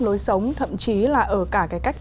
lối sống thậm chí là ở cả cái cách